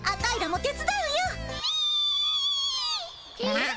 えっ？